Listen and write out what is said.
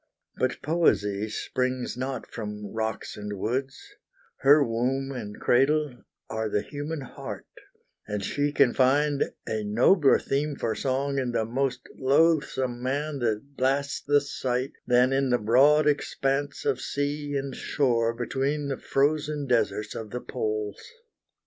But Poesy springs not from rocks and woods; Her womb and cradle are the human heart, And she can find a nobler theme for song In the most loathsome man that blasts the sight, Than in the broad expanse of sea and shore Between the frozen deserts of the poles.